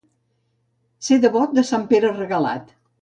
Ser devot de sant Pere Regalat.